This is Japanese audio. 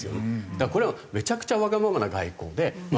だからこれはめちゃくちゃわがままな外交で。